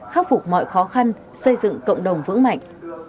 khắc phục mọi khó khăn xây dựng cộng đồng vững mạnh